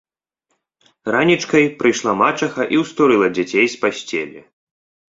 Ранічкай прыйшла мачыха і ўстурыла дзяцей з пасцелі